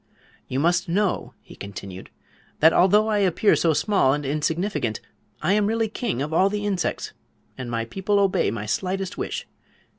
"You must know," he continued, "that although I appear so small and insignificant, I am really king of all the insects, and my people obey my slightest wish.